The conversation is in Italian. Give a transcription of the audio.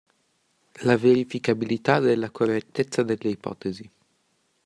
La verificabilità della correttezza delle ipotesi.